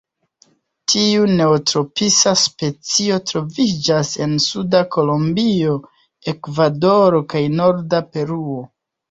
Tiu neotropisa specio troviĝas en suda Kolombio, Ekvadoro kaj norda Peruo.